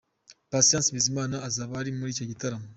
Patient Bizimana azaba ari muri icyo gitaramo.